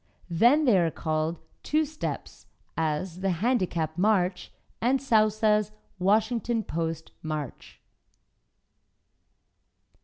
Then they are called Two Steps, as "The Handicap March," and Sousa's "Washington Post" March.